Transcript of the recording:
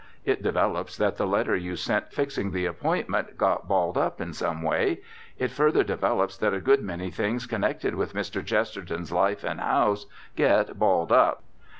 It develops that the letter you sent fixing the appointment got balled up in some way. It further develops that a good many things connected with Mr. Chesterton's life and house get balled up.